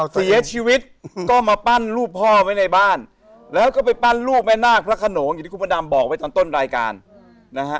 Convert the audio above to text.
เสียชีวิตก็มาปั้นรูปพ่อไว้ในบ้านแล้วก็ไปปั้นลูกแม่นาคพระขนงอย่างที่คุณพระดำบอกไว้ตอนต้นรายการนะฮะ